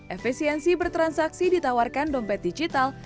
efisiensi bertransaksi ditawarkan dompet digital